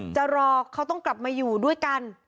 จะรอเขาต้องกลับมาอยู่ด้วยกัน